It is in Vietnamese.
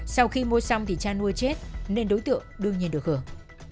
sau khi mua xong thì cha nuôi chết nên đối tượng đương nhiên được hưởng